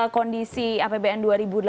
kondisi apbn dua ribu delapan belas